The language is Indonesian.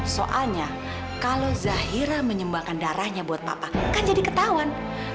soalnya kalau zahira menyumbangkan darahnya buat papa kan jadi ketahuan